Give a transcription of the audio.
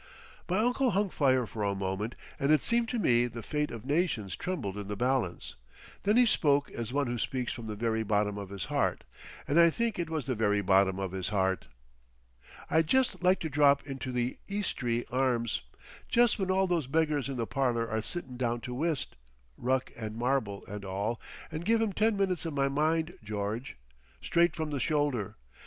My uncle hung fire for a moment and it seemed to me the fate of nations trembled in the balance. Then he spoke as one who speaks from the very bottom of his heart—and I think it was the very bottom of his heart. "I'd jes' like to drop into the Eastry Arms, jes' when all those beggars in the parlour are sittin' down to whist, Ruck and Marbel and all, and give 'em ten minutes of my mind, George. Straight from the shoulder.